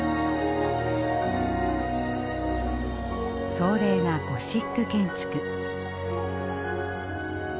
壮麗なゴシック建築。